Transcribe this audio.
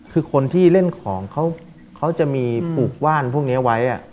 คือคนที่เล่นของเขาจะมีปลูกว่านพวกนี้ไว้